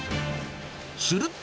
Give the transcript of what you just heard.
すると。